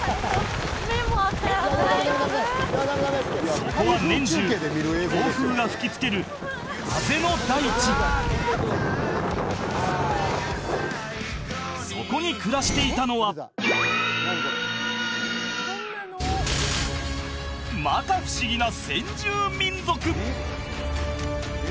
そこは年中強風が吹きつけるそこに暮らしていたのは摩訶不思議な先住民族！